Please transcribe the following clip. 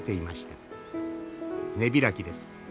根開きです。